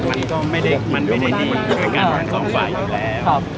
มันก็ไม่ได้มันไปในนี่สถานการณ์ทั้งสองฝ่ายอยู่แล้วครับ